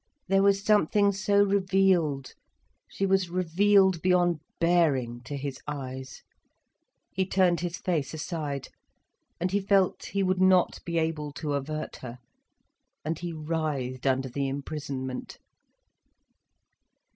There was something so revealed, she was revealed beyond bearing, to his eyes. He turned his face aside. And he felt he would not be able to avert her. And he writhed under the imprisonment.